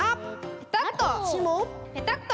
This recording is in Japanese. ペタッと。